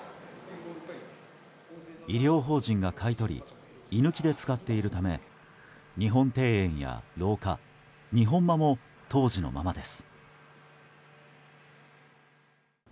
医療法人が買い取り居抜きで使っているため日本庭園や廊下、日本間も当時のままです。